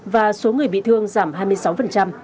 và số người bị thương giảm hai mươi sáu